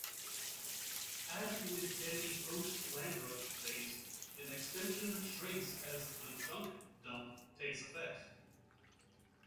As with any post-landrush phase, an extension shrinks as the "Junk Dump" takes effect.